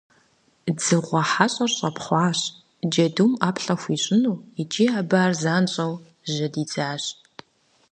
Дзыгъуэ хьэщӀэр щӀэпхъуащ, джэдум ӀэплӀэ хуищӀыну икӀи абы ар занщӀэу жьэдидзащ.